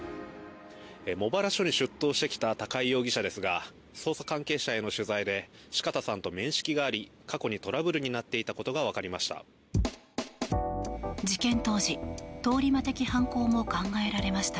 茂原警察署に出頭してきた高井容疑者ですが捜査関係者への取材で四方さんと面識があり過去にトラブルになっていたことがわかりました。